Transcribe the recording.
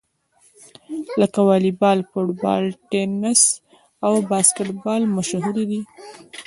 لکه واليبال، فوټبال، ټېنیس او باسکیټبال مشهورې دي.